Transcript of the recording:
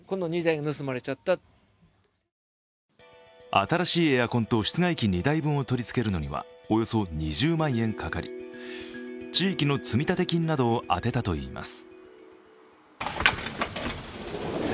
新しいエアコンと室外機２台分を取りつけるにはおよそ２０万円かかり、地域の積立金などを充てたといいます。